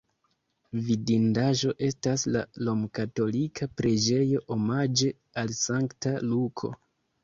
Vidindaĵo estas la romkatolika preĝejo omaĝe al Sankta Luko.